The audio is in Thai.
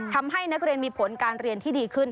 ทำให้นักเรียนมีผลการเรียนที่ดีขึ้น